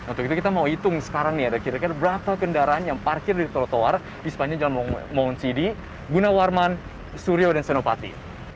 untuk itu kita mau hitung sekarang nih ada kira kira berapa kendaraan yang parkir di trotoar di sepanjang jalan mauncidi gunawarman suryo dan senopati